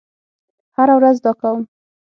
هره ورځ دا کوم